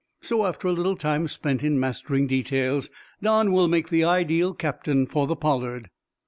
So, after a little time spent in mastering details, Don will make the ideal captain for the 'Pollard'."